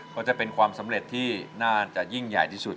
ก็จะเป็นความสำเร็จที่น่าจะยิ่งใหญ่ที่สุด